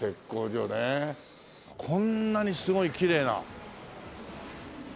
こんなにすごいきれいな。